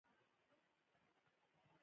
د تخه د پاکوالي لپاره د څه شي اوبه وڅښم؟